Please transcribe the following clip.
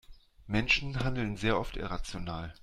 Menschen handeln sehr oft irrational.